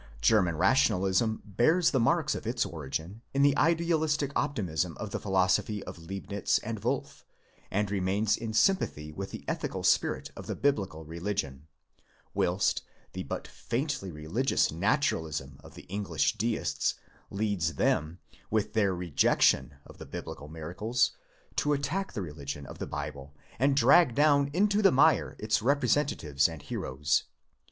German rationalism bears the marks of its origin in the idealistic optimism of the philosophy of Leibnitz and Wolff, and remains in sympathy with the ethical spirit of Biblical religion ; whilst the but faintly religious naturalism of the English Deists leads them, with their rejection of the Biblical miracles, to attack the religion of the Bible, and drag down into the mire its representa tives and heroes.